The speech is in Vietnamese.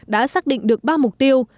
đã xác định được ba mục tiêu